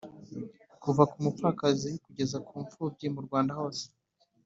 kuva ku mupfakazi kugeza ku mfubyi mu Rwanda hose